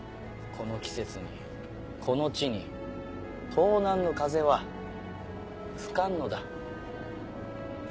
この季節にこの地に東南の風は吹かんのだ。